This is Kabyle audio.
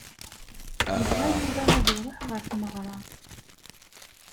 Yebɣa Yuba ad iṛuḥ ɣer tmeɣra.